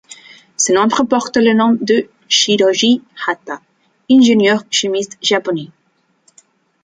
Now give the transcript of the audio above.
Ce nombre porte le nom de Shirôji Hatta, ingénieur chimiste japonais.